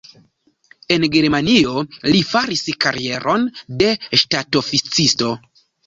En Germanio li faris karieron de ŝtatoficisto.